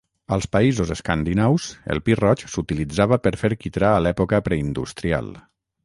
Als països escandinaus, el pi roig s'utilitzava per fer quitrà a l'època preindustrial.